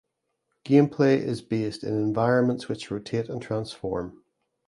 Gameplay is based in environments which rotate and transform.